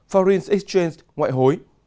foreign exchange ngoại hối